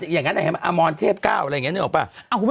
อย่างนั้นอามอนเทพ๙อะไรอย่างนี้นึกออกปะ